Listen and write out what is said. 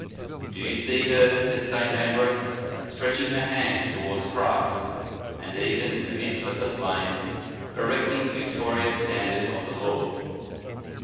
"Do you see her," says St. Ambrose, "stretching her hands towards Christ, and even in the midst of the flames erecting the o victorious standard of the Lord?